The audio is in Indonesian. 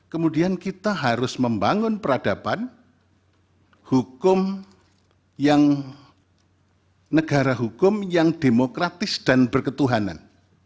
kemudian kita harus membangun peradaban hukum yang negara hukum yang demokratis dan berketuhanan